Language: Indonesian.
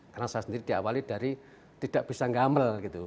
karena saya sendiri diawali dari tidak bisa gambar gitu